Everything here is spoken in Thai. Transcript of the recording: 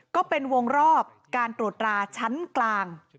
ก็เป็นวงรอบการตรวจราชั้นกลาง